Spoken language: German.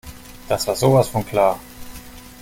Das war sowas von klar.